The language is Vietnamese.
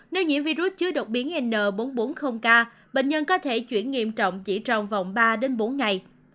nếu nhiễm virus chứa độc biến n bốn trăm bốn mươi k bệnh nhân có thể chuyển nghiêm trọng chỉ trong vòng ba bốn ngày